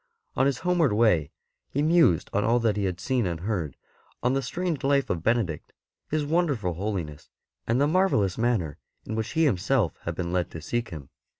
On his homeward way he mused on all that he had seen and heard; on the strange life of Benedict, his wonderful holiness, and the marvellous manner in which he himself had been led to seek him.